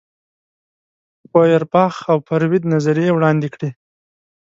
فوئرباخ او فروید نظریې وړاندې کړې.